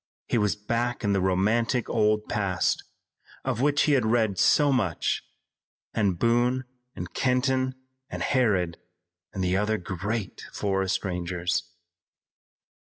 He was back in the romantic old past, of which he had read so much, with Boone and Kenton and Harrod and the other great forest rangers.